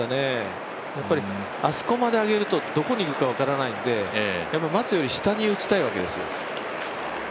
あそこまで上げると、どこにいくか分からないんで松より下に打ちたいわけですよ。